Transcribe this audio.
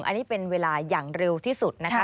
อันนี้เป็นเวลาอย่างเร็วที่สุดนะคะ